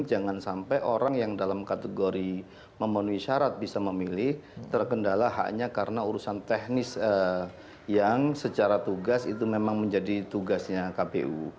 jangan sampai orang yang dalam kategori memenuhi syarat bisa memilih terkendala haknya karena urusan teknis yang secara tugas itu memang menjadi tugasnya kpu